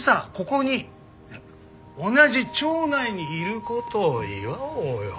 ここに同じ町内にいることを祝おうよ。